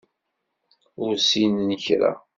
Ur ssinen kra.